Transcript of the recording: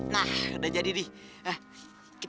nah udah jadi dee